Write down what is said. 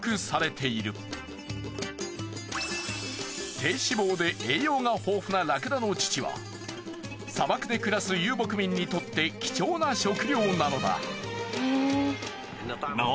低脂肪で栄養が豊富なラクダの乳は砂漠で暮らす遊牧民にとって貴重な食料なのだ。